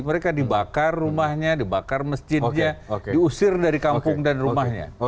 mereka dibakar rumahnya dibakar masjidnya diusir dari kampung dan rumahnya